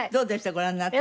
ご覧になって。